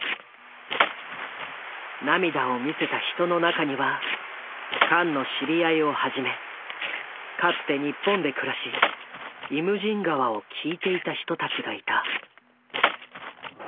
涙を見せた人の中にはカンの知り合いをはじめかつて日本で暮らし「イムジン河」を聴いていた人たちがいた。